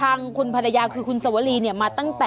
รอดูหลอดูทะเบียนเนี่ยแหละคะ